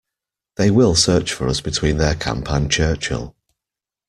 They will search for us between their camp and Churchill.